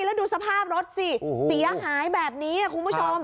แล้วดูสภาพรถสิเสียหายแบบนี้คุณผู้ชม